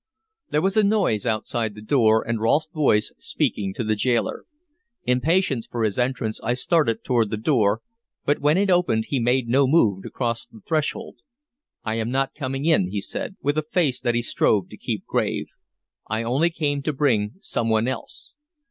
There was a noise outside the door, and Rolfe's voice speaking to the gaoler. Impatient for his entrance I started toward the door, but when it opened he made no move to cross the threshold. "I am not coming in," he said, with a face that he strove to keep grave. "I only came to bring some one else."